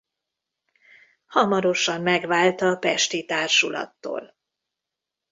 Hamarosan megvált a pesti társulattól.